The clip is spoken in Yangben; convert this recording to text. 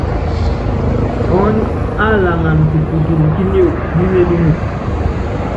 Ɔɔ́ny á laŋan kisikɛl kí niok ní melúŋe.